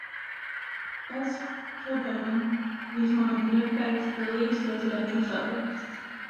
West Kildonan is one of Winnipeg's earliest residential suburbs.